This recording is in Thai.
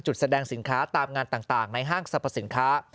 แสดงสินค้าตามงานต่างในห้างสรรพสินค้า